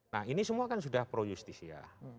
nah ini semua kan sudah pro justis ya